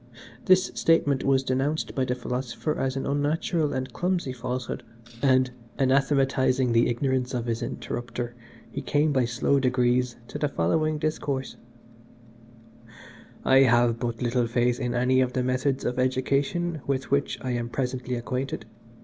This statement was denounced by the Philosopher as an unnatural and clumsy falsehood, and, anathematising the ignorance of his interrupter, he came by slow degrees to the following discourse "I have but little faith in any of the methods of education with which I am presently acquainted.